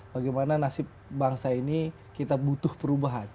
bagaimana nasib bangsa ini kita butuh perubahan